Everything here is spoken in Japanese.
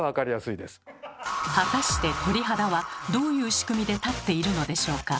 果たして鳥肌はどういう仕組みで立っているのでしょうか？